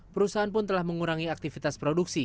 perusahaan pun telah mengurangi aktivitas produksi